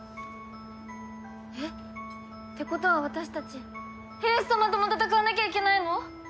えっってことは私たち英寿様とも戦わなきゃいけないの！？